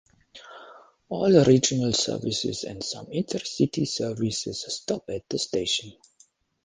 All regional services and some intercity services stop at the station.